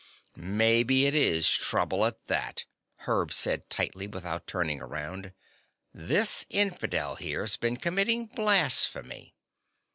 "Maybe it is trouble, at that," Herb said tightly, without turning around. "This infidel here's been committing blasphemy."